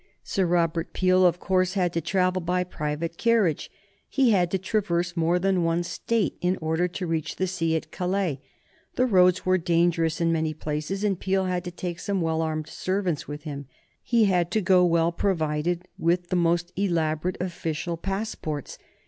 Sir Robert Peel, of course, had to travel by private carriage. He had to traverse more than one State in order to reach the sea at Calais. The roads were dangerous in many places, and Peel had to take some well armed servants with him. He had to go well provided with the most elaborate official passports.